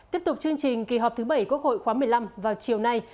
tiếp tục chương trình kỳ họp thứ bảy quốc hội khóa một mươi năm vào chiều nay